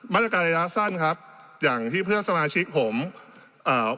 มาตรการระยะสั้นครับอย่างที่เพื่อนสมาชิกผมเอ่อ